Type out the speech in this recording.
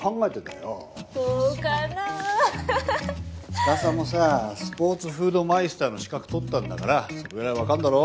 司もさスポーツフードマイスターの資格取ったんだからそれぐらいわかるだろ？